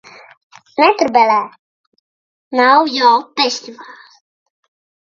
Netrobelē! Nav jau festivāls!